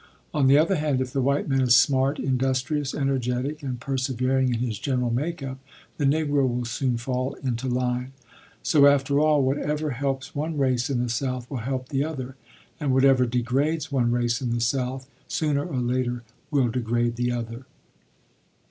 On the other hand, if the white man is smart, industrious, energetic and persevering in his general makeup, the Negro will soon fall into line; so after all, whatever helps one race in the South will help the other and whatever degrades one race in the South, sooner or later will degrade the other.